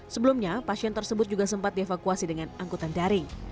sebelumnya pasien tersebut juga sempat dievakuasi dengan angkutan daring